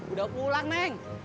udah pulang neng